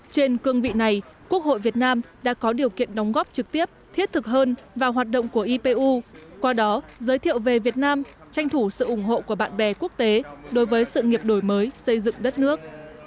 trên cương vị này quốc hội việt nam đã có điều kiện đóng góp trực tiếp thiết thực hơn vào hoạt động của ipu qua đó giới thiệu về việt nam tranh thủ sự ủng hộ của bạn bè quốc tế đối với sự nghiệp đổi mới xây dựng đất nước